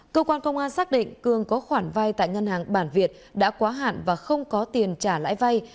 cơ quan công an xác định cường có khoản vai tại ngân hàng bản việt đã quá hạn và không có tiền trả lại vai